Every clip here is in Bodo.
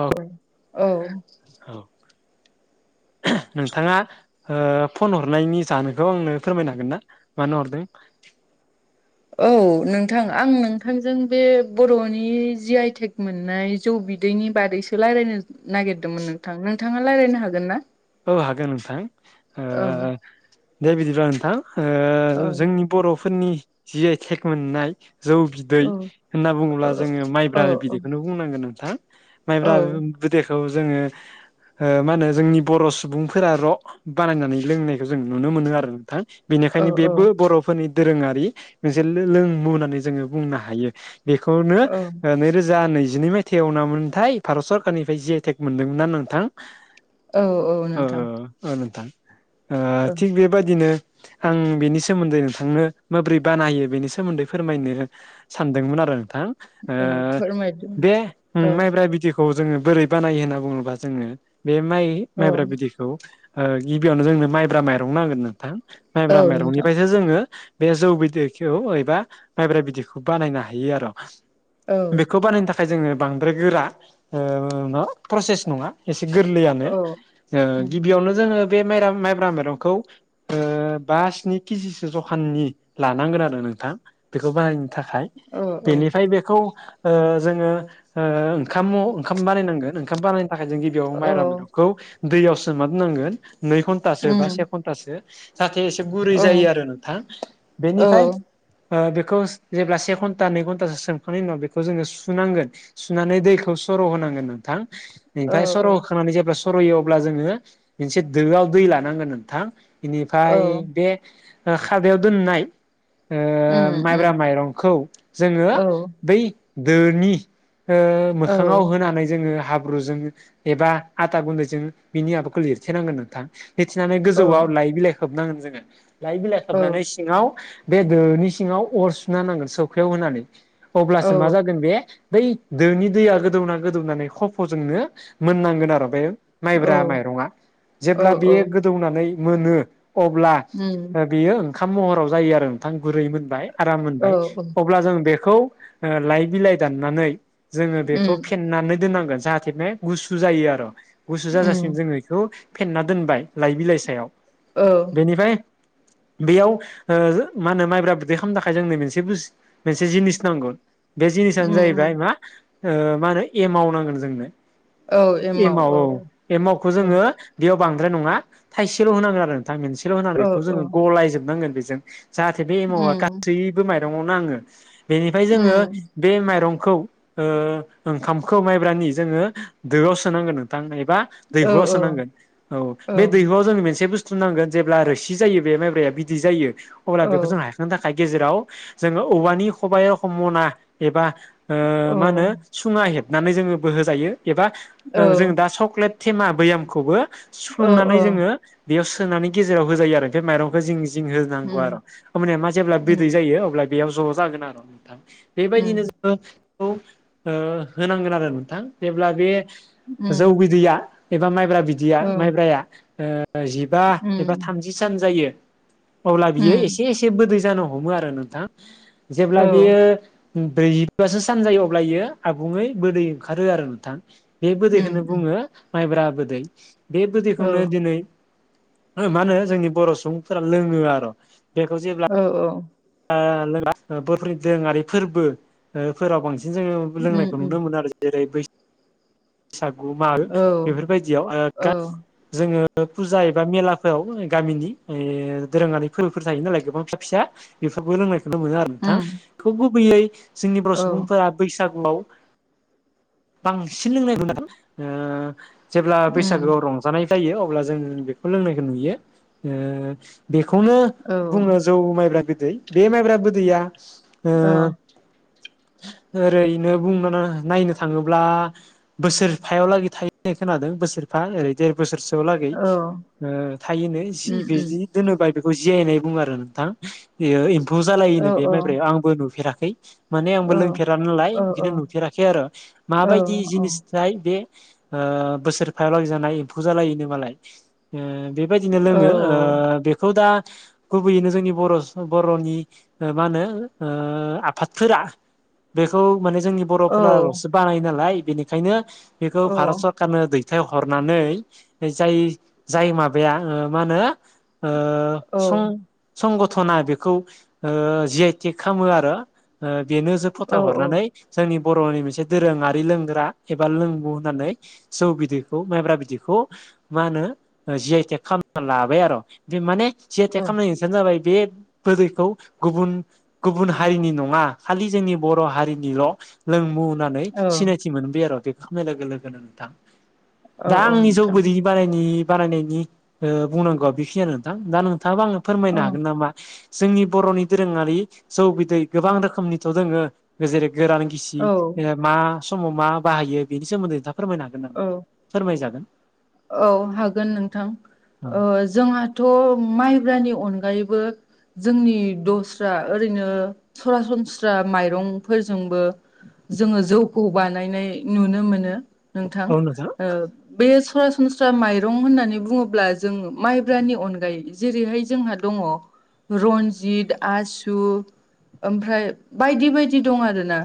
औ औ औ नोंथाङा। फन हरनायनि जानोखौ आंनो फोरमायनो हागोन ना मानो हरदों। औ नोंथां आं नोंथांजों बे बर'नि जि आइटेक मोननाय जौ बि दैनि बादैसो रायजलायनो नागिरदोंमोन नोंथां नोंथाङा रायज्लायनो हागोन ना औ हागोन नोंथां। ओ औ। दे बिदिब्लाा नोंथां ओ औ जोंनि बर'फोरनि जि आइ टेक मोननाय जौ बि दैै औ होनना औ बुङोब्ला जोङो औ माइब्रा बिदैखौनो बुंनांगोन नोंथां। औ माइब्रा बिदैखौ जोङो ओ मा होनो जोंनि बर' सुबुंफोरा र' बानायनानै लोंनायखौ जों नुनो मोनो आरो नोंथां। बेनिखायनो बेबो बर' फोरनि दोरोङारि जे लोंमु होननानै जोङो बुंनो हायो। बेखौनो औ ओ नैरोजा नैजिनै माय थाइआव ना मोनथाय भारत सरकारनिफ्राय जि आइ टेक मोनदोंमोनना नोंथां? औ औ। ओ नोंथां औ नोंथां। ओ औ थिग बे बेबायदिनो आं बेनि सोमोन्दै नोंथांनो माबोरै बानायो बेनि सोमोन्दै फोरमायनो सानदोंमोन आरो नोंथां ओ औ फोरमायदो बे नोंथां औ माइब्रा बिदै खौ जोङो बोरै बानायो होनना बुङोब्ला जोङो बे औ माइ-माइब्रा बिदैखौ खौ ओ गिबियावनो जोंनो माइब्रा माइरं नांगोन नोंथां, माइब्रा औ नोंथां माइरंनिफ्रायसो जोङो बे जौ बिदैखौ एबा माइब्रा बिदैखौ बानायनो हायो आरो। औ बेखौ बानायनो थाख खाय जोङो बांद्राय गोरा ओ प्रसेस नङा एसे गोरलैयानो। औ ओ उम गिबियावनो जोङो बे माइब्रा माइरंखौ ओ बा स्नि केजिसो जखाननि लानांगोन आरो नोंथां, बेखौ बानायनो थाखाय, औ बेनिफ्राय बेखौ ओ जोङो ओ ओंखाम ओंखाम बानायनांगोन ओंखाम बानायनो थाखाय जों गिबियाव औ माइब्रा माइरं खौ दैयाव सोमनादोनांगोन नै घन्टासो बा से उम घन्टासो जाहाथे एसे गुरै औ जायो आरो नोंथां। औ बेनिफ्राय ओ बेखौ जेब्ला से घन्टा नै घन्टासो सोमखांनायनि उनाव बेखौ जोङो सुनांगोन सुनानै दैखौ सर' होनांगोन नोंथां। औ ओनिफ्राय सर' होखांनानै जेब्ला सर' होयो अब्ला जोङो मोनसे दोआव दै लानांगोन नोंथां। औ बेनिफ्राय बे खादायाव दोननाय ओ उम माइब्रा उम माइरंखौ जोङो बै दोनि ओ औ मोखाङाव होनानै जोङो हाब्रुजों एबा आथा गुन्दैजों बिनि माबाखौ लिरथेनांगोन नोंथां। लिरथेनानै औ गोजौआव लाइ बिलाइ खोबनांगोन जोङो, लाइ बिलाइ औ खोबनानै सि सिङाव बे दोनि सिङाव अर सुना होनांगोन सौखायाव होनानै। अब्लासो मा जागोन बे? बै दोनि दैया गोदौना गोदौनानै खफ'जोंनो मोननांगोन आरो बे औ माइब्रा माइरङा, औ जेब्ला औ बेयो गोदौनानै मोनो अब्ला उम बेयो ओंखाम महराव जायो आरो नोंथां गुरै मोनबाय आराम औ मोनबाय उम अब्ला जों बेखौ ओ लाइ बिलाइ दाननानै जोङो बेखौ उम फेननानै दोननांगोन जाहाथे बे गुसु जायो आरो। गुसु जाजासिम जोङो बेखौ फेनना दोनबाय लाइ बिलाइ सायाव। औ। बेनिफ्राय बेयाव ओ मा होनो माइब्रा बिदै खालामनो थाखाय जोंनो मोनसे बुस मोनसे जिनिस नांगोन, बे उम जिनिसानो जाहैबाय उम मा ओ‌ मा होनो एमाव नांगोन जोंनो। एमाव औ। एमावखौ औ जोङो बेयाव बांद्राय नङा थाइसेल' होनांगोन आरो नोंथाङा मोनसेल' होना औ बेखौ औ जोङो गलायजोबनांगोन बेजों। जाहाथे बे एमावा उम गासैबो माइरंयाव नाङो। बेनिफ्राय जोङो उम बे माइरंखौ ओ ओंखामखौ माइब्रानि जोंङो दोआव स सोनांगोन नोंथां एबा औ दैहुआव सोनांगोन। औ बे दैहुआव जोंनो मोनसे बुस्थु नांगोन जेब्ला रोसि जायो बे माइब्राया बिदै जायो अब्ला औ बेखौ जों हायखांनो थाखाय गेजेराव जोंङो औवानि खबाइ रोखोम मना एबा ओ मा होनो सुङा हेबनानै जोंङो बोहोजायो एबा जों दा चक्लेट थेमा बैयामखौबो सुफ्लुंनानै औ जोंङो बेयाव सोनानै गेजेराव होजायो आरो। बे माइरंखौ जिं जिं होनांगौ आरो उम हमबाना मा जेब्ला उम उम बिदै जायो अब्ला बेयाव ज' जागोन आरो नोंथां बेबायदिनो [unintelligible] होनांगोन आरो नोंथां जेब्ला बे जौ उम बिदैया एबा माइब्रा बिदैया औ माइब्राया ओ जिबा एबा उम थामजि जि सान जायो अब्ला बियो उम एसे बिदै जानो हमो नोंथां। औ जेब्ला बियो। ब्रैजिबासो सान जायो अब्लायो आबुङै बदै ओंखारो आरो नोंथां बे उम बेखोनो उम बुङो माइब्रा बिदै बे औ औ बिदैखौनो दिनै। ओ मा होनो जोंनि बर' सुबुंफोरा लोङो आरो' बेखौ जेब्ला औ औ बर'फोरनि दोङारि फोरबो फोराव बांसिन जोङो उम लोंनायखौ उम नुनो मोनो आरो जेरै बैसागु मागो औ औ बेफोरबायदियाव ओ जोंङो फुजा एबा मेलाफोराव गामिनि ओ दोरोङारि फोरबोफोर थायो नालाय गोबां फिसा फिसा। बेफोरबो रोंनायखौनो मोनो आरो नोंथां उम बेखो गुबैयै जोंनि बर' सुबुंफोरा बैसागुआव बांसिन लोंनाय नुयो। ओ जेब्ला बैसागोआव रंजानाय जायो। अब्ला जों बेखौ लोंनायखौ नुयो। ओ बेखौनो औ उम औ बुंङो जौ माइब्रा बिदै बे माइब्रा बिदैया। ओ औ ओरैनो बुंनो नायनो थाङोब्ला। बोसोर फायाव लागै थायोनाय खोनादों बोसोर फा ओरै देर बोसोरसोआव लागै थायोनो जि बिदि। दोनोबा बेखौ जियायनाय बुङो आरो नोंथां। ज' जालायोनो बे माइब्रायाव आंबो नुफेराखै। माने आंबो लोंफेरा नालाय बिदिनो नुफेराखै आरो माबायदि जिनिस जाय बे बोसोरफायालागै जानाय एम्फौ जालायोनो मालाय ओ बेबायदिनो लोङो ओ बेखौ दा गुबैयैनो जोंनि बर' बर'नि मा मोनो आफादफोरा बेखौ माने जों नि बर'फोराल'सो बानाय नालाय बेनिखायनो बेखौ भारत सर नो दैथाय हरनानै जाय जाय माबाया मा होनो ओ सं संगथना बेखौ ओ जि आइ टिक खालामो आरो बेनो जो फथ हरनानै जोंनि बर'नि मोनसे दोरोङारि लोंग्रा एबा लोंबु होननानै। जौ बिदैखौ माइब्रा बिदैखौ मा होनो जि आइ टेक खालामना लाबाय आरो' बे माने जि आइ टेक खालामनायनि ओंथिया जाबाय बे गोदैखौ गुबुन गुबुन हारिनि नङा खालि जोंनि बर' हारिनिल' लोंमु होननानै। सिनायथि मोनबाय आरो टेक खालामनाय लोगो लोगोनो औ दा आंनि जौ नोंथां गोदै ब बारायनायनि बुंनांगौआ बेखिनिानो नोंथां दा नोंथाङाबो आं फोरमायनो हागोन नामा जोंनि बर'नि दोरोङारि जौ बिदै गोबां रोखोमनिथ' दङो जेरै गोरान औ गिसि मा समाव मा बाहायो बेनि सोमोन्दै नोंथाङा फोरमायनो हागोन नामा? औ फोरमाय जागोन। औ हागोन नोंथां औ ओ जोंहाथ' माइब्रानि अनगायैबो जोंनि दस्रा ओरैनो सरासनस्रा माइरंफोरजोंबो जोङो जौखौ बानायनाय नुनो मोनो नोंथां ओ बे सरासनस्रा माइरं होननानै बुङोब्ला जोङो माइब्रानि अनगायै जेरैहाय जोंहा दङ रन्जित आसु ओमफ्राय बायदि बायदि दं आरोना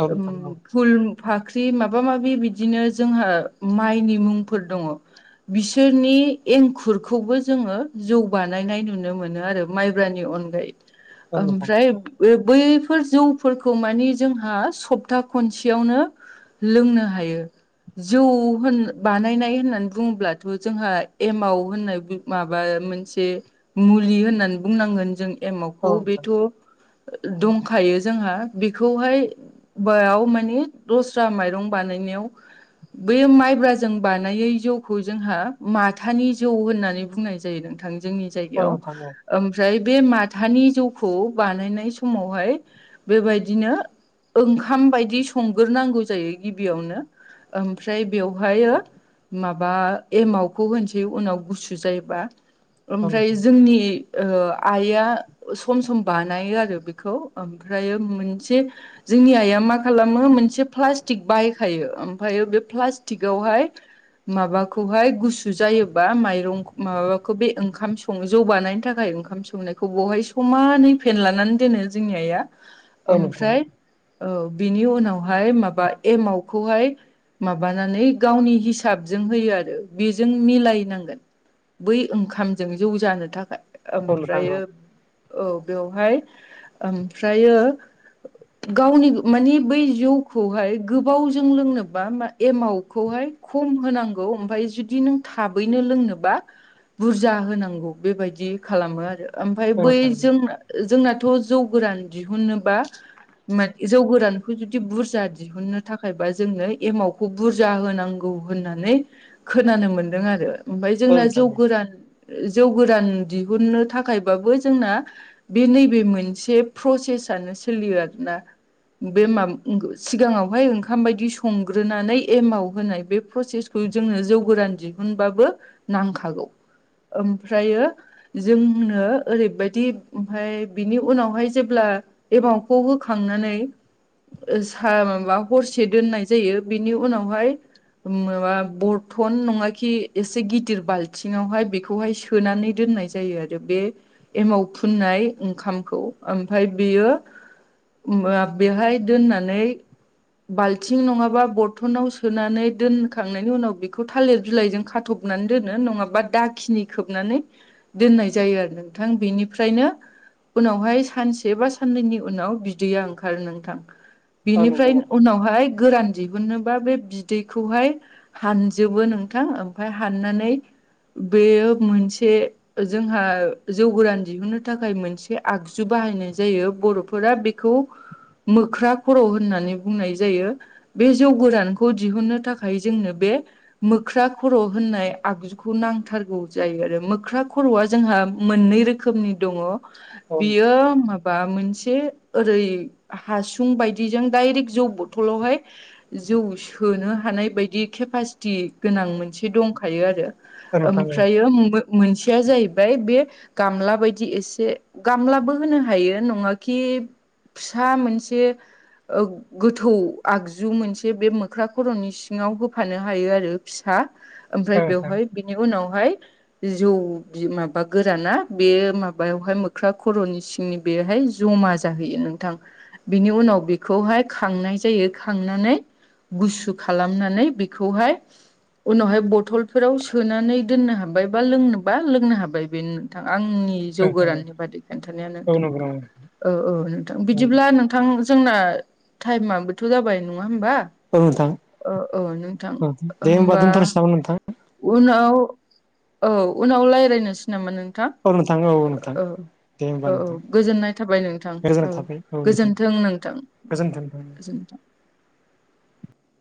औ उम नोंथां औ फुल फाख्रि माबा माबि बिदिनो जोंहा माइनि मुं फोर दंङ बिसोरनि एंखुरखौबो जोङो जौ बानायनाय नुनो मोनो आरो माइब्रानि अनगायै औ नोंथां ओमफ्राय बे बैफोर जौफोरखौ मानि जोंहा सप्ता खनसेयावनो लोंनो हायो जौ होन बानायनाय [unintelligible] होननानै बुङोब्लाथ' जोंहा एमाव होननाय माबा मोनसे मुलि होननानै बुंनांगोन जों औ एमावखौ नोंथां बेथ' दंखायो जोंहा बेखौहाय बयाव मानि दस्रा माइरं बानायनायाव बेैयाव माइब्राजों बानायै जौखौ जोंहा माथानि जौ होननानै बुंनाय जायो नोंथां जोंनि औ जायगायाव नोंथां ओमफ्राय बे माथानि जौखौ बानायनाय समावहाय बेबायदिनो ओंखाम बायदि संगोरनांगौ जायो गिबियावनो ओमफ्राय बेवहायो माबा एमावखौ होनसै उनाव गुसु जायोबा औ ओमफ्राय जोंनि ओ आइआ सम सम बानायो आरो बेखौ ओमफ्रायो मोनसे जोंनि आइआ मा खालामो मोनसे प्लास्टिक बायखायो ओमफ्रायो बे प्लास्टिकआवहाय माबाखौहाय गुसु जायोबा माइरं माबाखौ बे ओंखाम सङो जौ बानायनि थाखाय ओंखाम सोमनायखौ बहाय समानै फेनलानानै दोनो जोंनि आइआ औ नोंथां ओमफ्राय औ बेनि उनावहाय माबा एमाव खौ हाय माबानानै गावनि हिस साबजों होयो आरो बेजों मिलायनांगोन बै ओंखामजों जौ जानो थाखाय औ नोंथां औ नोंथां ओमफ्रायो औ बेवहाय ओमफ्रायो गावनि मानि बै जौखौहाय गोबावजों लोंनोबा मा एमावखौहाय खम होनांगौ ओमफ्राय जुदि नों थाबैनो लोंनोबा बुरजा होनांगौ बेबायदि खालामो आरो ओमफ्राय बै औ जों जोंनाथ' जौ गोरान दिहुननोबा मा जौ गोरानखौ जुदि बुरजा दि दिहुननो थाखायबा जोंनो एमावखौ बुरजा होनांगौ गौ होननानै खोनानो मोनदों आरो ओमफ्राय औ जोंना नोंथां जौ औ गोरान जौ गोरान दिहुननो थाखायबाबो जोंना बे नैबे मोनसे प्रसेसानो सोलियो आरोना बे माब सिगाङावहाय ओंखाम बायदि संग्रोनानै एमाव होनाय बे फ्रसेसखौ जोंनो जौ गोरान दिहुनबाबो नांखागौ ओमफ्रायो जोंनो ओरैबायदि ओमफ्राय बिनि उनावहाय जेब्ला एमावखौ होखांनानै ओ सा माबा हरसे दोननाय जायो बिनि उनावहाय उम माबा बरथन नङा खि एसे गिदिर बाल्थिं आवहाय बेखौहाय सोनानै दोननाय जायो आरो बे एमाव फुननाय ओंखामखौ ओमफ्राय बेयो ओम ओ बेवहाय दोननानै बाल्थिं नङाबा बर्थनाव सोनानै दोनखांनायनि उनाव बेखौ थालिर बिलाइजों खाथबनानै दोनो नङाबा दाखिनि खोबनानै दोननाय जायो आरो नोंथां बेनिफ्रायनो उनावहाय सानसे बा साननैनि उनाव बिदैया ओंखारो नोंथां। औ नंगौ बिनिफ्राय नोंथां उनावहाय गोरान दिहुनोबा बे बिदै बेखौहाय हानजोबो नोंथां ओमफ्राय हाननानै बेयो मोनसे जोंहा जौ गोरान दिहुनो थाखाय मोनसे आगजु बाहायनाय जायो बर'फोरा बे खौ मोख्रा खर' होननानै बुंनाय जायो। बे जौ गोरानखौ दिहुननो थाखाय जोंनो बे मोख्रा खर' होननाय आगजु खौ नांथारगौ जायो आरो मोख्रा खर'आ जोंहा मोननै रोखोमनि दङ। औ नोंथां बियो मो बा मोनसे ओरै हासुं बायदिजों दडाइरेक्ट जौ बथलावहाय जौ सोनो थानाय बायदि केपासिटि गोनां मोनसे दंखायो आरो औ नोंथां औ ओमफ्रायो मोनसेया जाहैबाय बे गामला बायदि एसे गामलाबो होनो हायो नङाखि फिसा मोनसे गोथौ आगजु मोनसे बे मोख्रा खर'नि सिङाव होफानो हायो आरो फिसा ओमफ्राय नोंथां औ नोंथां बेवहाय बिनि उनावहाय जौ बि माबा गोराना बे माबायावहाय मोख्रा खर'नि सिंनि बेहाय जमा जाहैयो नोंथां। बिनि उनाव बेखौहाय खांनाय जायो खांनानै गुसु खालामनानै बेखौहाय उनावहाय बथलफोराव सोनानै दोननो हाबाय बा लोंनोबा लोंनो हाबाय बेनो नोंथां आंनि जौ गोराननि बादै खिथानाया औ नोंथां नंगौ नंगौ औ औ नोंथां औ बिदिब्ला नों नोंथां जोंना टाइमाबोथ' जाबाय नङा होमबा? औ नोंथां औ औ नोंथां दे होमबा दोन्थ'नोसै नामा नोंथां? उनाव औ उनाव रायज्लायनोसै नामा नोंथां? औ नोथां औ औ नोंथां। दे होनबा औ औ नोंथां। गोजोननाय थाबाय नोंथां औ गोजोनाय थाबाय औ नोंथां गोजोन्थों नोंथां गोजोनथों। गोजोन्थों।